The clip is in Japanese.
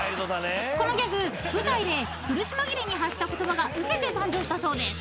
［このギャグ舞台で苦し紛れに発した言葉がウケて誕生したそうです］